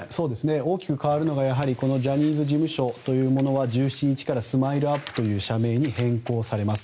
大きく変わるのがジャニーズ事務所というものは１７日からＳＭＩＬＥ−ＵＰ．という社名に変更されます。